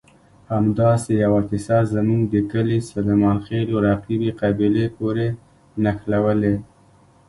همداسې یوه کیسه زموږ د کلي سلیمانخېلو رقیبې قبیلې پورې نښلولې.